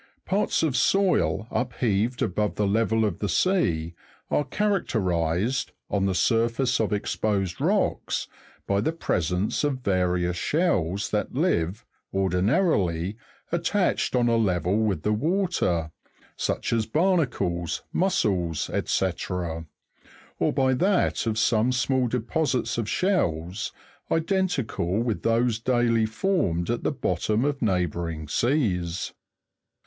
Parts of soil upheaved above the level of the sea, are characterized, on the surface of exposed rocks, by the presence of various shells, that live, ordinarily, attached on a level with the water, such as barna cles, mussels, &c. ; or by that of some small deposits of shells, identical with those daily formed at the bottom of neighbouring seas.